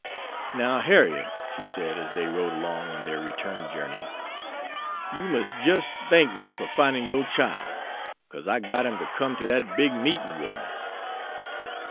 "Now, Harriet," she said, as they rode along on their return journey, "you mus' jis' thank me fer finin' yore chile, 'cause I got him to come to dat big meetin' wid me."